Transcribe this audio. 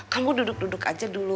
kamu duduk duduk aja dulu